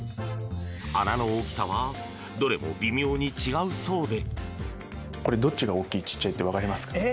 穴の大きさはどれも微妙に違うそうで。